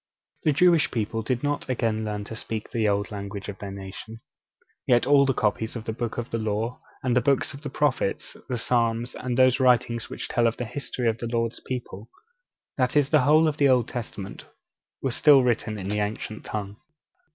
The Jewish people did not again learn to speak the old language of their nation. Yet all the copies of the Books of the Law, and the Books of the Prophets, the Psalms, and those writings which tell of the history of the Lord's people that is, the whole of the Old Testament were still written in the ancient tongue.